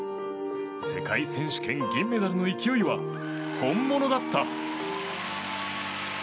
世界選手権銀メダルの勢いは本物だった。